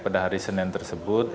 pada hari senin tersebut